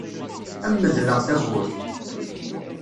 Ad am-medleɣ tawwurt.